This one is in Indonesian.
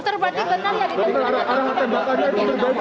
dokter arah tembakannya itu berbeda dok berarti bisa